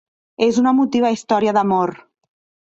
És una emotiva història d'amor.